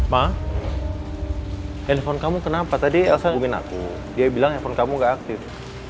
ma handphone kamu kenapa tadi elsa hubungin aku dia bilang handphone kamu gak aktif